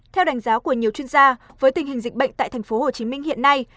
theo đánh giá của nhiều chuyên gia với tình hình dịch bệnh tại tp hcm hiện nay